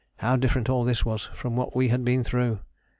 How different all this was from what we had been through.